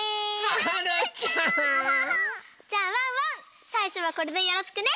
はるちゃん！じゃあワンワンさいしょはこれでよろしくね！